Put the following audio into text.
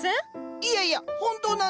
いやいや本当なんです。